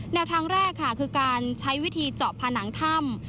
แนวทางแรกค่ะคือการใช้วิธีเจาะผนังถ้ำ